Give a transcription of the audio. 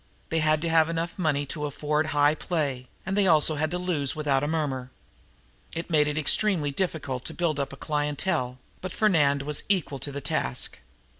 They had to have enough money to afford high play, and they also had to lose without a murmur. It made it extremely difficult to build up a clientele, but Fernand was equal to the task.